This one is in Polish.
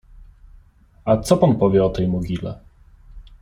— A co pan powie o tej mogile?